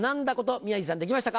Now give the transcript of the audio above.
宮治さんできましたか？